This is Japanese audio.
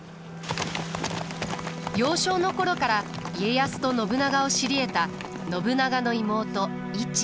幼少の頃から家康と信長を知りえた信長の妹市。